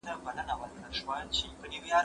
په نازونو په نخرو به ورپسې سو